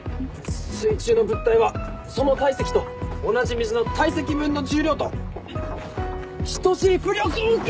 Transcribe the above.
水中の物体はその体積と同じ水の体積分の重量と等しい浮力を受け。